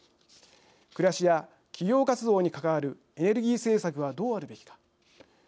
暮らしや企業活動に関わるエネルギー政策はどうあるべきか。